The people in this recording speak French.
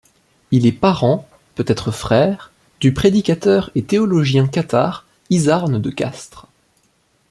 Il est parent, peut-être frère, du prédicateur et théologien cathare, Izarn de Castres.